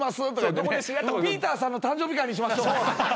ピーターさんの誕生日会にしましょう。